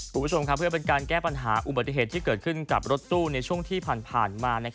คุณผู้ชมครับเพื่อเป็นการแก้ปัญหาอุบัติเหตุที่เกิดขึ้นกับรถตู้ในช่วงที่ผ่านมา